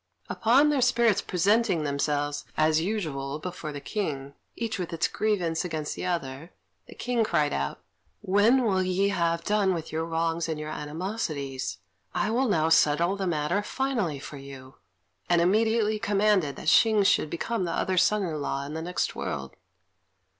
Upon their spirits presenting themselves, as usual, before the King, each with its grievance against the other, the King cried out, "When will ye have done with your wrongs and your animosities? I will now settle the matter finally for you;" and immediately commanded that Hsing should become the other's son in law in the next world.